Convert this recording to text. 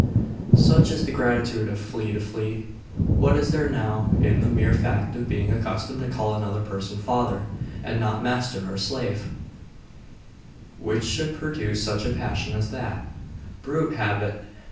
'Such is the gratitude of flea to flea! What is there, now, in the mere fact of being accustomed to call another person father, and not master, or slave, which should produce such passion as that?.... Brute habit!....